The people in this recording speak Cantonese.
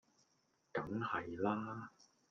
梗係啦